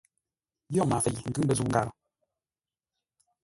Yo maafei, ngʉ̌ məzə̂u ngârə.